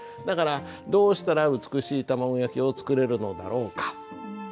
だから「どうしたら美しい卵焼きを作れるのだろうか？」。